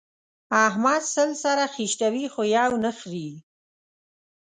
احمد سل سره خيشتوي؛ خو يو نه خرېي.